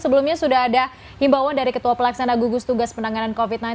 sebelumnya sudah ada himbawan dari ketua pelaksana gugus tugas penanganan covid sembilan belas